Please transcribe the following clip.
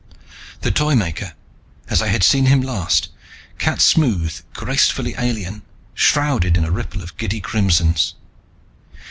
The Toymaker, as I had seen him last, cat smooth, gracefully alien, shrouded in a ripple of giddy crimsons.